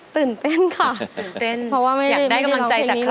ตื่นเต้นขัก